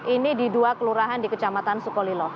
ini di dua kelurahan di kecamatan sukolilo